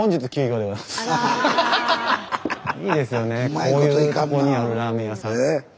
こういうとこにあるラーメン屋さんって。